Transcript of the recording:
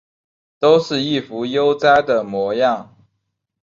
都是一副悠哉的模样